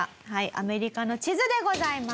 アメリカの地図でございます。